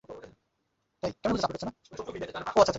তাহারা চাহিত, অপরেও তাহাই করুক।